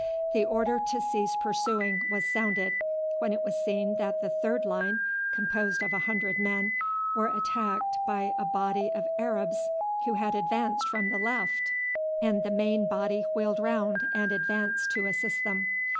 The order to cease pursuing was sounded, when it was seen that the third line, composed of a hundred men, were attacked by a body of Arabs who had advanced from the left, and the main body wheeled round and advanced to assist them.